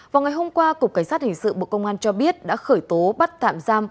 vào ngày hôm qua cục cảnh sát hình sự bộ công an cho biết đã khởi tố bắt tạm giam